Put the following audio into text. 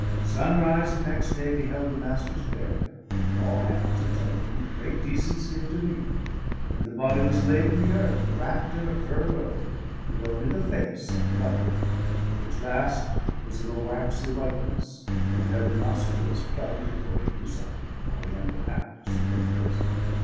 Sunrise of next day beheld the Master's burial, all hands attending with great decency of demeanour; and the body was laid in the earth, wrapped in a fur robe, with only the face uncovered; which last was of a waxy whiteness, and had the nostrils plugged according to some Oriental habit of Secundra's.